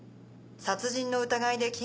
殺人の疑いで。